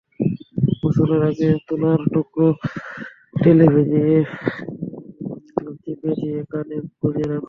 গোসলের আগে তুলার টুকরা তেলে ভিজিয়ে চিপে নিয়ে কানে গুঁজে রাখুন।